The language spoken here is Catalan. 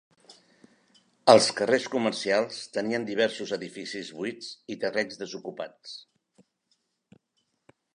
Els carrers comercials tenien diversos edificis buits i terrenys desocupats.